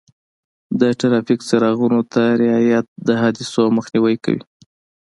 د ټرافیک څراغونو ته رعایت د حادثو مخنیوی کوي.